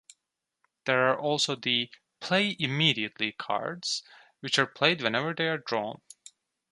There are also the "Play Immediately" cards, which are played whenever they are drawn.